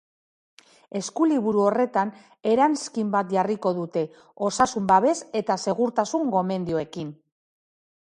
Eskuliburu horretan eranskin bat jarriko dute, osasun babes eta segurtasun-gomendioekin.